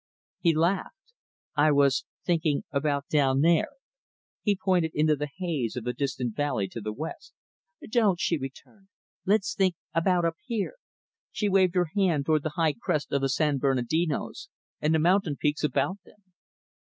He laughed. "I was thinking about down there" he pointed into the haze of the distant valley to the west. "Don't," she returned, "let's think about up here" she waved her hand toward the high crest of the San Bernardinos, and the mountain peaks about them.